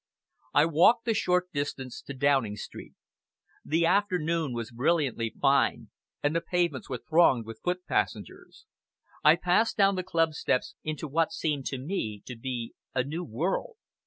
I walked the short distance to Downing Street. The afternoon was brilliantly fine, and the pavements were thronged with foot passengers. I passed down the club steps into what seemed to me to be a new world.